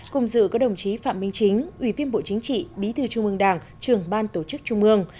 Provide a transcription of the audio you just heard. cùng dự có đồng chí phạm minh chính ủy viên bộ chính trị bí thư trung ương đảng trưởng ban tổ chức trung ương